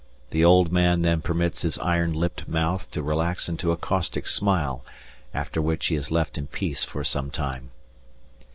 The old man then permits his iron lipped mouth to relax into a caustic smile, after which he is left in peace for some time.